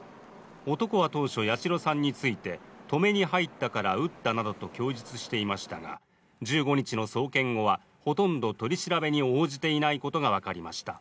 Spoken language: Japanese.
男は当初八代さんについて、止めに入ったから撃ったなどと供述していましたが１５日の送検後はほとんど取り調べに応じていないことがわかりました。